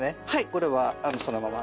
これはそのまま。